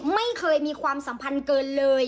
ไม่เคยมีความสัมพันธ์เกินเลย